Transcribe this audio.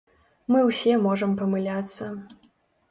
Мы ўсе можам памыляцца.